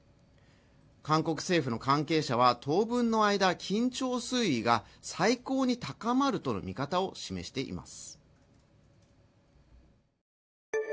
韓国政府の関係者は当分の間は緊張水位が最高に高まるとの見方を示しています